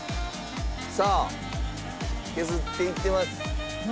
さあ削っていってます。